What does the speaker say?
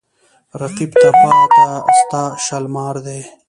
رقیب ته پاته ستا شالمار دی